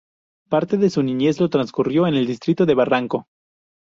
Parte de su niñez lo transcurrió en el distrito de Barranco.